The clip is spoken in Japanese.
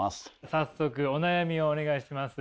早速お悩みをお願いします。